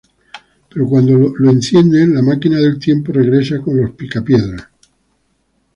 Pero cuando lo encienden, la máquina del tiempo regresa con los Picapiedra.